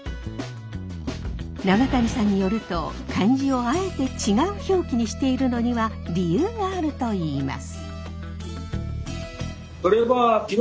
長谷さんによると漢字をあえて違う表記にしているのには理由があるといいます。